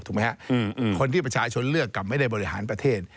คนที่ประชาชนเลือกกับไม่ได้บริหารประเทศ